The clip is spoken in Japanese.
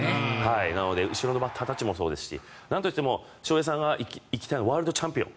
なので後ろのバッターたちもそうですしなんといっても翔平さんが行きたいのはワールドチャンピオン。